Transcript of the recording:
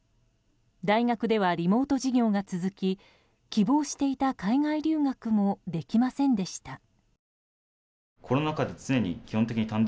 大学ではリモート授業が続き希望していた海外留学もできませんでした。